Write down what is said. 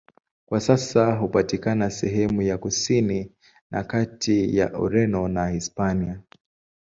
Kwa sasa hupatikana sehemu ya kusini na kati ya Ureno na Hispania.